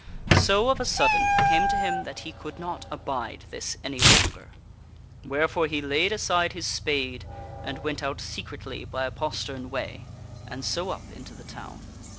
So, of a sudden, it came to him that he could not abide this any longer. Where fore he laid aside his spade and went out secretly by a postern way, and so up into the town.